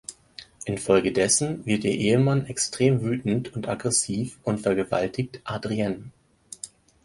Infolgedessen wird ihr Ehemann extrem wütend und aggressiv und vergewaltigt Adrienne.